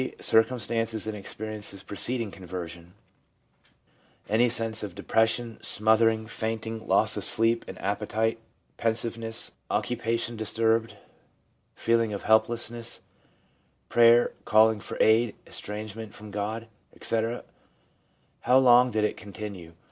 Circumstances and experiences preceding con version :— any sense of depression, smothering, fainting, loss of sleep and appetite, pensiveness, occupation dis turbed, feeling of helplessness, prayer, calling for aid, estrangement from God, etc.? How long did it con tinue?